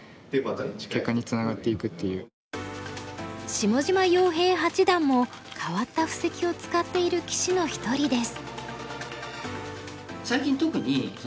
下島陽平八段も変わった布石を使っている棋士の一人です。